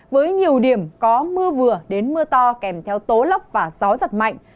với nhiều điểm có mưa vừa đến mưa to kèm theo tố lốc và gió giật mạnh